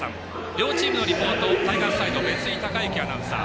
両チームのリポートタイガースサイド別井敬之アナウンサー。